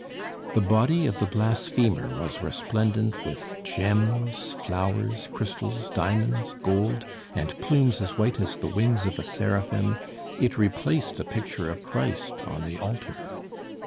The body of the blasphemer was resplendent with gems, flowers, crystals, diamonds, gold, and plumes as white as the wings of a seraphim; it replaced a picture of Christ on the altar.